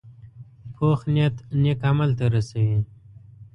پوخ نیت نیک عمل ته رسوي